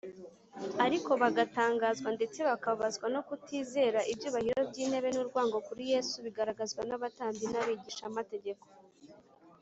, ariko bagatangazwa ndetse bakababazwa no kutizera, ibyubahiro by’intebe, n’urwango kuri Yesu, bigaragazwa n’abatambyi n’abigishamategeko